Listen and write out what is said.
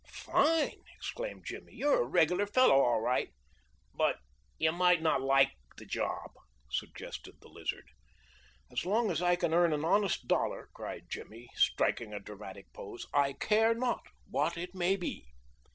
"Fine!" exclaimed Jimmy. "You're a regular fellow all right." "But you might not like the job," suggested the Lizard. "As long as I can earn an honest dollar," cried Jimmy, striking a dramatic pose, "I care not what it may be."